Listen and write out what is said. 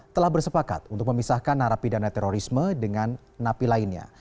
telah bersepakat untuk memisahkan narapidana terorisme dengan napi lainnya